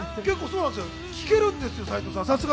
結構、聴けるんですよ。